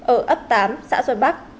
ở ấp tám xã xuân bắc